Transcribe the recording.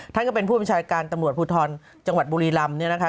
ท่านก็เป็นผู้บัญชาการตำรวจภูทรจังหวัดบุรีรำเนี่ยนะคะ